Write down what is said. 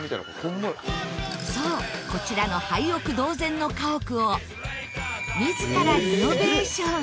そうこちらの廃屋同然の家屋を自らリノベーション。